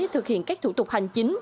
thực hiện các thủ tục hành chính